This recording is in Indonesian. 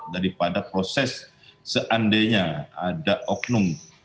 daripada proses seandainya ada oknum